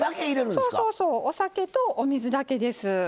そうそうそうお酒とお水だけです。